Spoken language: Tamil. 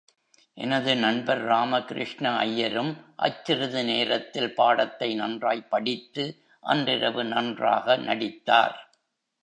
எனது நண்பர் ராமகிருஷ்ண ஐயரும் அச் சிறிது நேரத்தில் பாடத்தை நன்றாய்ப் படித்து அன்றிரவு நன்றாக நடித்தார்.